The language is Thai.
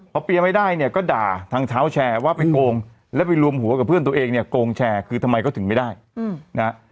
พอเปียร์ไม่ได้เนี่ยก็ด่าทางเท้าแชร์ว่าไปโกงแล้วไปรวมหัวกับเพื่อนตัวเองเนี่ยโกงแชร์คือทำไมก็ถึงไม่ได้นะฮะ